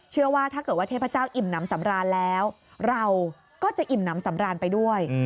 เชื่อว่าถ้าเกิดว่าเทพเจ้าอิ่มน้ำสำราญแล้วเราก็จะอิ่มน้ำสำราญไปด้วย